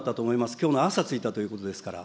きょうの朝着いたということですから。